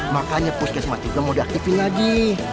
makanya puskesma tiga mau diaktifin lagi